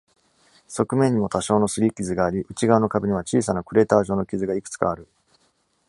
側面にも多少の擦り傷があり、内側の壁には小さなクレーター状の傷がいくつかある。